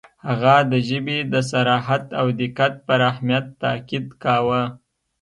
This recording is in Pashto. • هغه د ژبې د صراحت او دقت پر اهمیت تأکید کاوه.